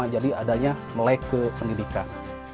jadi adanya melek ke pendidikan